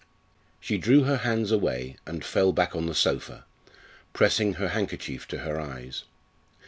She drew her hands away and fell back on the sofa, pressing her handkerchief to her eyes.